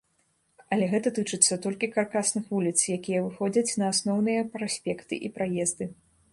Але гэта тычыцца толькі каркасных вуліц, якія выходзяць на асноўныя праспекты і праезды.